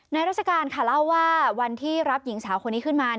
ราชการค่ะเล่าว่าวันที่รับหญิงสาวคนนี้ขึ้นมา